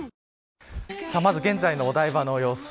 まず、現在のお台場の様子